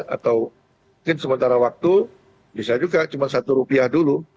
atau mungkin sementara waktu bisa juga cuma satu rupiah dulu